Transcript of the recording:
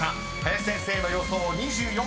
［林先生の予想２４％］